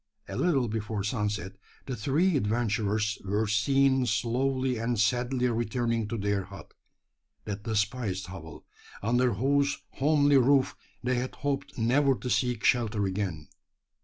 A little before sunset the three adventurers were seen slowly and sadly returning to their hut that despised hovel, under whose homely roof they had hoped never to seek shelter again!